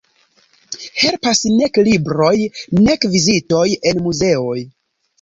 Helpas nek libroj nek vizitoj en muzeoj.